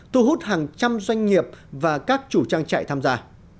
thu hút hàng trăm doanh nghiệp và các chủ trang trại tham gia